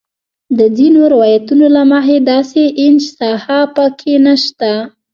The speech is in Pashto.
د ځینو روایتونو له مخې داسې انچ ساحه په کې نه شته.